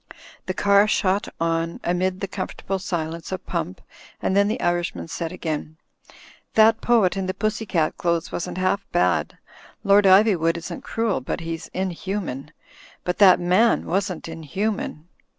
The car shot on amid the comfortable silence of Pump, and then the Irishman said again: "That poet in the pussy cat clothes wasn't half bad. Lord Iv3nvood isn't cruel ; but he's inhuman. But that man wasn't inhuman.